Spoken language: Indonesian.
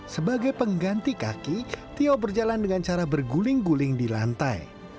sebagai pengganti kaki tio berjalan dengan cara berguling guling di lantai